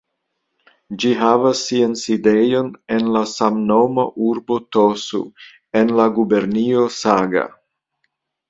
Ĝi havas sian sidejon en la samnoma urbo "Tosu" en la gubernio Saga.